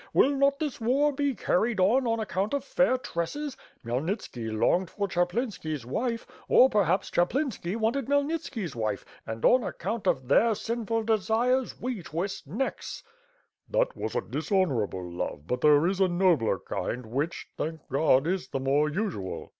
Will not this war be carried on on account of fair tresses? Khmyelnitski longed for ('haplinski's wife, or perhaps Chaplinski wanted Khmyel nitski V wife and, on account of their sinful desires, we twist necks." "That was a dishonorable love, but there is a nobler kind which, thank God, is the more usual."